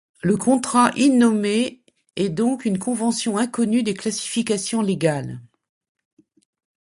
Le contrat innommé est donc une convention inconnue des classifications légales.